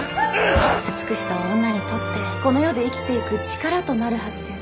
美しさは女にとってこの世で生きていく力となるはずです。